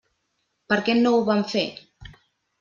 Per què no ho van fer?